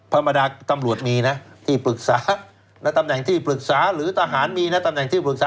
ธรรมดาตำรวจมีนะที่ปรึกษาและตำแหน่งที่ปรึกษาหรือทหารมีนะตำแหน่งที่ปรึกษา